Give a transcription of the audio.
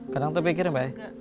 kadang terpikir mbak